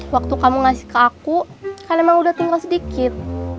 waktu kamu ngasih ke aku kan emang udah tinggal sedikit